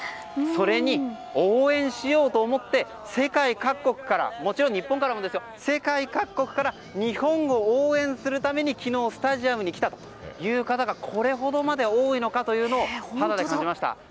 それに応援しようと思って世界各国からもちろん日本からも日本を応援するために昨日スタジアムに来たという方がこれほどまで多いのかというのを肌で感じました。